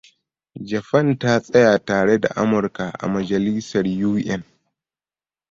Japan ta tsaya tare da Amurka a Majalisar U. N.